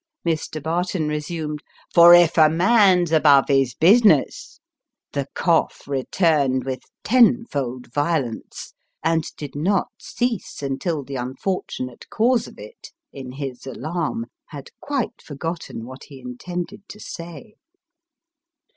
Mr. Barton resumed " For if a man's above his business The cough returned with tenfold violence, and did not cease until the unfortunate cause of it, in his alarm, had quite forgotten what he intended to say.